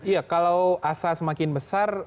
ya kalau asa semakin besar